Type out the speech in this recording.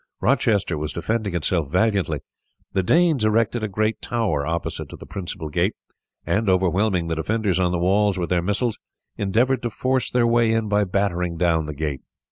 Rochester was defending itself valiantly. The Danes erected a great tower opposite to the principal gate, and overwhelming the defenders on the walls with their missiles endeavoured to force their way in by battering down the gate.